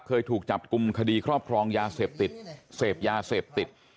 เคยถูกจับกลุ่มคดีครอบครองยาเสพติดเสพยาเสพติด